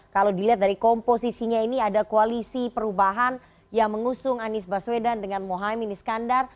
kalau dilihat dari komposisinya ini ada koalisi perubahan yang mengusung anies baswedan dengan mohaimin iskandar